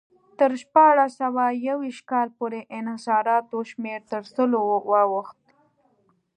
تر شپاړس سوه یو ویشت کال پورې انحصاراتو شمېر تر سلو واوښت.